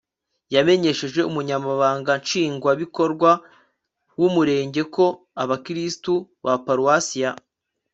yamenyesheje umunyamabanga nshingwabikorwa w'umurenge ko abakristu ba paruwasi ya